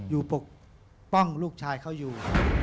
ปกป้องลูกชายเขาอยู่